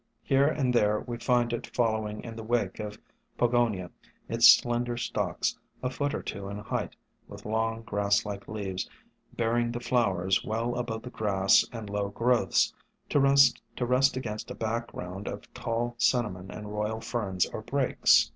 J Here and there we find it 1 j following in the wake of Po gonia ; its slender stalks, a foot or two in height, with long, grass like leaves, bearing the flowers well above the grass and low growths, to rest against a background of tall Cin namon and Royal Ferns or Brakes.